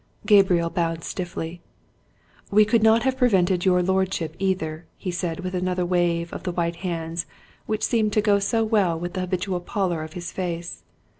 Gabriel bowed stiffly. "We could not have prevented your lordship either," he said, with another wave of the white hands which seemed to go so well with the habitual pallor of his face.